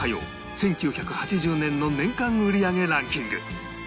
１９８０年の年間売り上げランキング